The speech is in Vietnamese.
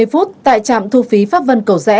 một mươi năm h ba mươi tại trạm thu phí pháp vân cầu rẽ